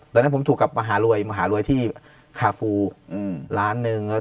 แต่ผมถูกหัวมาหารวยที่คาฟูมาหารวย๑ล้าน